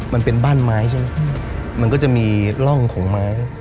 มันเป็นบ้านไม้ใช่ไหมมันก็จะมีร่องของไม้